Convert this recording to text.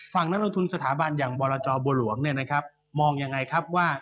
ฝั่งนักลงทุนสถาบันอย่างบรจประโบรุงหมองยังไงว่า